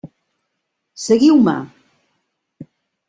Seguiu-me!